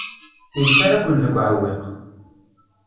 Yettarra-ken deg uɛewwiq.